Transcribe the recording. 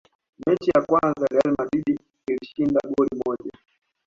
mechi ya kwanza real madrid ilishinda goli moja